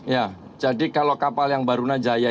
ya jadi kalau kapal yang barunajaya